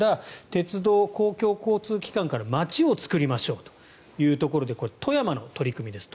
鉄道、公共交通機関から街を作りましょうというところで富山の取り組みです。